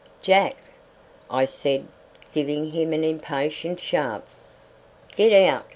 "Jack!" I said, giving him an impatient shove. "Get out!"